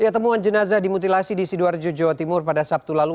temuan jenazah dimutilasi di sidoarjo jawa timur pada sabtu lalu